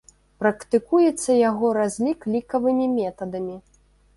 Практыкуецца яго разлік лікавымі метадамі.